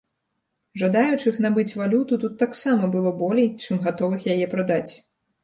Жадаючых набыць валюту тут таксама было болей, чым гатовых яе прадаць.